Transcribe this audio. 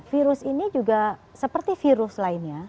virus ini juga seperti virus lainnya